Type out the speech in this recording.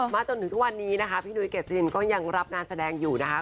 จนถึงทุกวันนี้นะคะพี่นุ้ยเกษลินก็ยังรับงานแสดงอยู่นะคะ